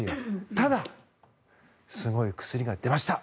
ただ、すごい薬が出ました。